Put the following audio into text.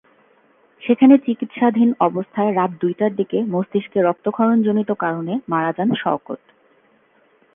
সেখানে চিকিৎসাধীন অবস্থায় রাত দুইটার দিকে মস্তিষ্কে রক্তক্ষরণজনিত কারণে মারা যান শওকত।